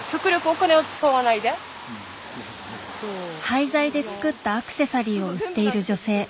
廃材で作ったアクセサリーを売っている女性。